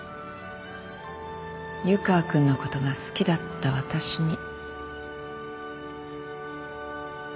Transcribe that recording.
湯川君のことが好きだった私に。